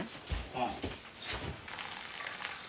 ああ。